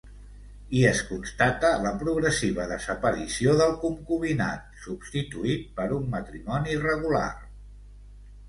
I es constata la progressiva desaparició del concubinat, substituït per un matrimoni regular.